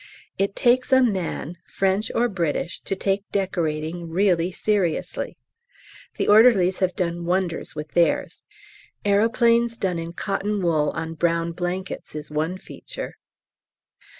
It takes a man, French or British, to take decorating really seriously. The orderlies have done wonders with theirs. Aeroplanes done in cotton wool on brown blankets is one feature.